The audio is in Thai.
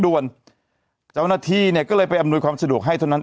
เจ้าหน้าที่เนี่ยก็เลยไปอำนวยความสะดวกให้เท่านั้น